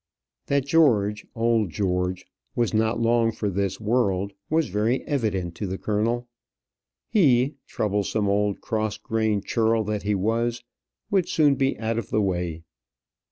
That George, old George, was not long for this world was very evident to the colonel. He, troublesome old cross grained churl that he was, would soon be out of the way.